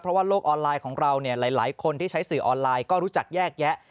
เพราะว่าโลกออนไลน์ของเราเนี่ยหลายคนที่ใช้สื่อออนไลน์ก็รู้จักแยกแยะ